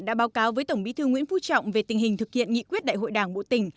đã báo cáo với tổng bí thư nguyễn phú trọng về tình hình thực hiện nghị quyết đại hội đảng bộ tỉnh